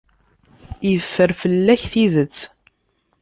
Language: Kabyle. Yeffer fell-ak tidet.